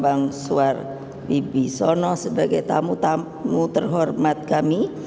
bang suar bibisono sebagai tamu tamu terhormat kami